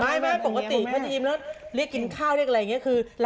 มีใหลคน